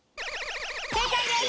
正解です！